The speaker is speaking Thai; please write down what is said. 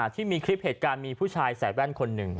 ที่มีคลิปเหตุการณ์มีผู้ชายใส่แว่นคนหนึ่ง